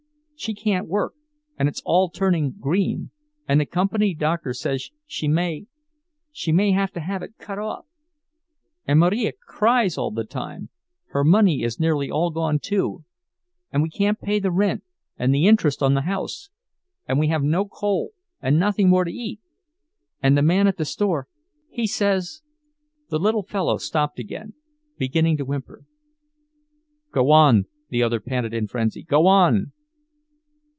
She can't work and it's all turning green, and the company doctor says she may—she may have to have it cut off. And Marija cries all the time—her money is nearly all gone, too, and we can't pay the rent and the interest on the house; and we have no coal and nothing more to eat, and the man at the store, he says—" The little fellow stopped again, beginning to whimper. "Go on!" the other panted in frenzy—"Go on!"